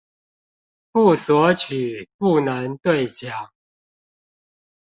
不索取不能對獎